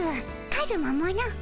カズマもの。